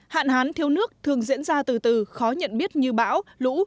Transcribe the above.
hạn hán thiếu nước thường diễn ra từ từ khó nhận biết như bão lũ